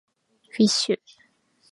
fish